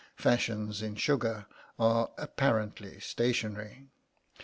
Fashions in sugar are apparently stationary.